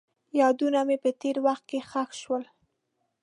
یادونه مې په تېر وخت کې ښخ شول.